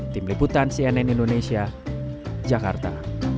tim liputan cnn indonesia jakarta